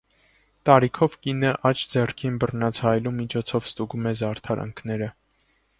Տարիքով կինը աջ ձեռքին բռնած հայելու միջոցով ստուգում է զարդարանքները։